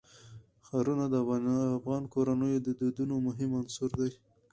ښارونه د افغان کورنیو د دودونو مهم عنصر دی.